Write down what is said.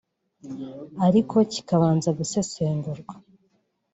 ariko kikabanza gusesengurwa